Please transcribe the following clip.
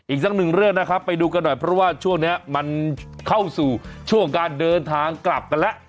สักหนึ่งเรื่องนะครับไปดูกันหน่อยเพราะว่าช่วงนี้มันเข้าสู่ช่วงการเดินทางกลับกันแล้ว